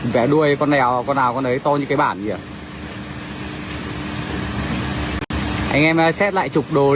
bẻ đuôi con nào con ấy to như cái bản vậy